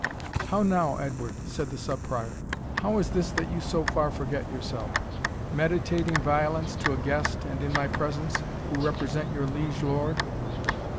"How now, Edward," said the Sub Prior; "how is this that you so far forget yourself? meditating violence to a guest, and in my presence, who represent your liege lord?"